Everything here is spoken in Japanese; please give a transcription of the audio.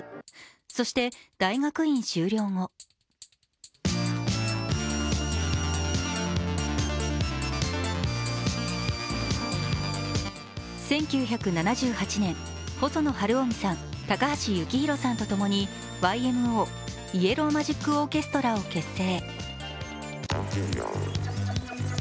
そして大学院修了後１９７８年、細野晴臣さん、高橋幸宏さんとともにＹＭＯ＝イエロー・マジック・オーケストラを結成。